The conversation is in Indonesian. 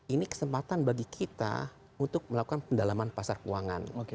ini kesempatan bagi kita untuk melakukan pendalaman pasar keuangan